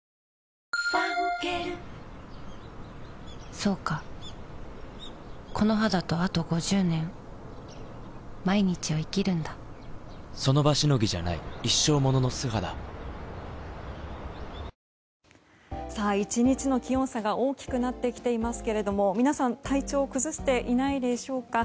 そうかこの肌とあと５０年その場しのぎじゃない一生ものの素肌１日の気温差が大きくなってきていますが皆さん、体調を崩していないでしょうか。